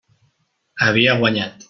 Havia guanyat.